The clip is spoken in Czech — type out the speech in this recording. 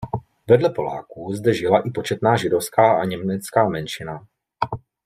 Vedle Poláků zde žila i početná židovská a německá menšina.